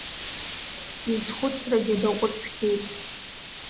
Изхәыцрагьы даҟәыҵхьеит.